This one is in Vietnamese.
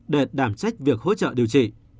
để đảm trách việc hỗ trợ điều trị